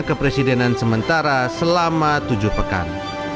kepresidenan sementara selama tujuh pekan